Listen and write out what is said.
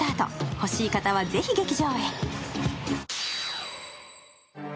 欲しい方はぜひ劇場へ。